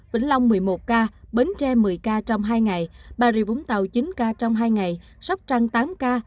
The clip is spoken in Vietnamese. vĩnh long một mươi một ca bến tre một mươi ca trong hai ngày bà rịa vũng tàu chín ca trong hai ngày sóc trăng tám ca